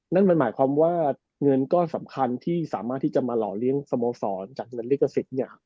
นั่นมันหมายความว่าเงินก้อนสำคัญที่สามารถที่จะมาหล่อเลี้ยงสโมสรจากเงินลิขสิทธิ์เนี่ย